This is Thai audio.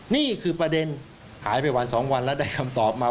นี่คือประเด็นหายไปวัน๒วันแล้วได้คำตอบมา